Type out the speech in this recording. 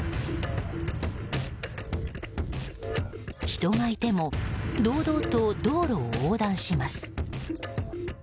人がいても堂々と道路を横断します。